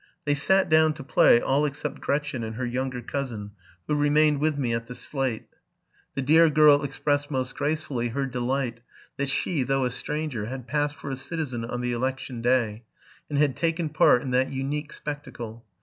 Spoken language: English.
They sat down to play, all except Gretchen and her younger cousin, who remained with me at the slate. The dear girl expressed most gracefully her delight that she, though a stranger, had passed for a citizen on the election day, and had taken part in that unique spectacle.